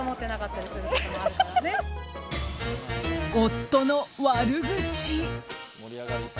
夫の悪口。